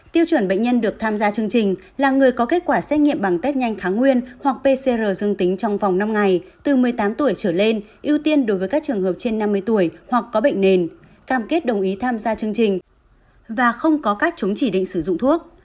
tiêu chuẩn bệnh nhân được tham gia chương trình là người có kết quả xét nghiệm bằng test nhanh kháng nguyên hoặc pcr dương tính trong vòng năm ngày từ một mươi tám tuổi trở lên ưu tiên đối với các trường hợp trên năm mươi tuổi hoặc có bệnh nền cam kết đồng ý tham gia chương trình và không có cách chúng chỉ định sử dụng thuốc